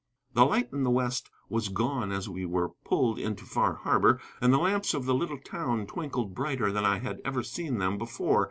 The light in the west was gone as we were pulled into Far Harbor, and the lamps of the little town twinkled brighter than I had ever seen them before.